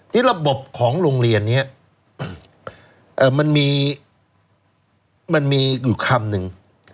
ที่ระบบของโรงเรียนนี้มันมีมันมีอยู่คำนึง